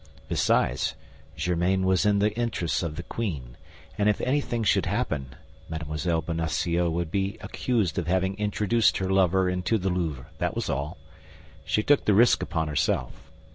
Besides, Germain was in the interests of the queen; and if anything should happen, Mme. Bonacieux would be accused of having introduced her lover into the Louvre, that was all. She took the risk upon herself.